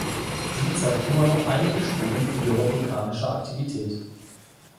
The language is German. Sie zeigt immer noch einige Spuren früherer vulkanischer Aktivität.